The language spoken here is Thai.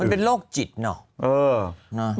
มันเป็นโรคจิตเนอะ